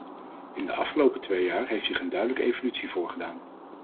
In de afgelopen twee jaar heeft zich een duidelijke evolutie voorgedaan.